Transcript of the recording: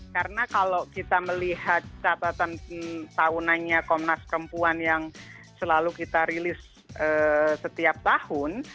karena kalau kita melihat catatan tahunannya komnas perempuan yang selalu kita rilis setiap tahun